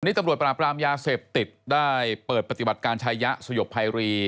นี่ตำรวจปราบรามยาเสพติดได้เปิดปฏิบัติการชายะสยบภัยรี